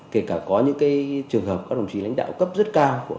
kể cả có những trường hợp các đồng chí lãnh đạo cấp rất cao